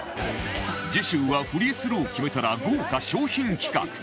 次週はフリースロー決めたら豪華賞品企画